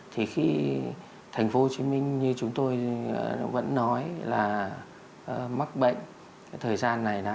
thế khi thành phố hồ chí minh như chúng tôi vẫn nói là mắc bệnh